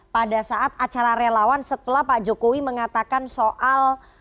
pada saat acara relawan setelah pak jokowi mengatakan soal